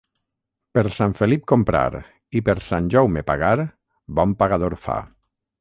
Per Sant Felip comprar i per Sant Jaume pagar bon pagador fa.